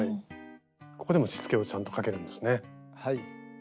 ここでもしつけをちゃんとかけるんですね。